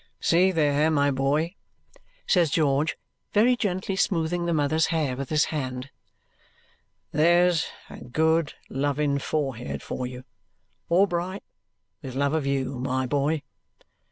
"See there, my boy," says George, very gently smoothing the mother's hair with his hand, "there's a good loving forehead for you! All bright with love of you, my boy.